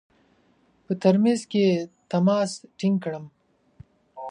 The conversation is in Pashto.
په ترمیز کې تماس ټینګ کړم.